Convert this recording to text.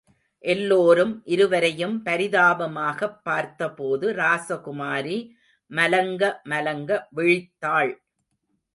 எல்லோரும் இருவரையும் பரிதாபமாகப் பார்த்தபோது ராசகுமாரி மலங்க, மலங்க விழித்தாள்.